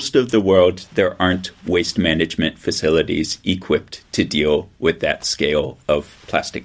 di sebagian besar dunia tidak ada fasilitas pengurusan plastik yang diperlukan untuk menguruskan skala plastik